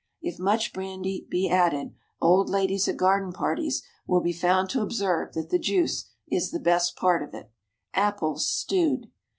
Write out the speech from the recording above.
If much brandy be added, old ladies at garden parties will be found to observe that the juice is the best part of it. APPLES, STEWED.